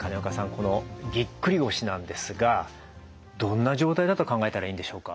このぎっくり腰なんですがどんな状態だと考えたらいいんでしょうか？